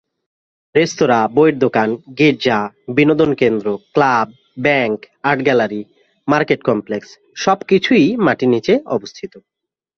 রেস্তোরাঁ, বইয়ের দোকান, গির্জা, বিনোদন কেন্দ্র, club, bank, art gallery, market complex সব কিছুই মাটির নিচে অবস্থিত।